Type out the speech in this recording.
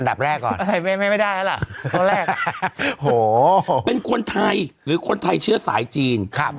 อันดับแรกก่อนไม่ได้แล้วล่ะตอนแรกโหเป็นคนไทยหรือคนไทยเชื่อสายจีนครับ